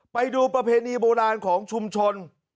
ไปดูประเพณีโบราณของชุมชน